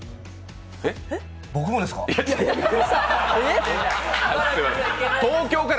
えっ、僕もですか？